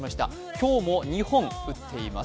今日も２本打っています。